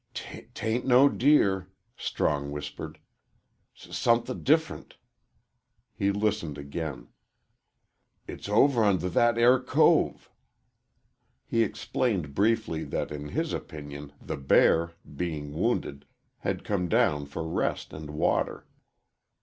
"'T 'tain' no deer," Strong whispered. "S suthin' dif'er'nt." He listened again. "It's over on th that air cove." He explained briefly that in his opinion the bear, being wounded, had come down for rest and water.